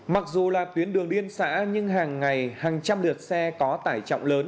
mặc dù là tuyến đường liên xã nhưng hàng ngày hàng trăm lượt xe có tải trọng lớn